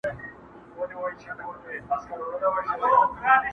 نومونه يې ذهن ته راځي او هويت ګډوډوي سخت ډول